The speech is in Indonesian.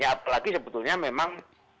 ya apalagi sebetulnya memang